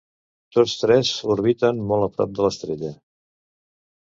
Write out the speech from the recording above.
Tots tres orbiten molt a prop de l'estrella.